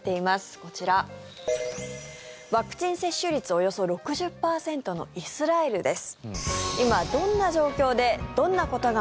こちら、ワクチン接種率およそ６０％のイスラエルです。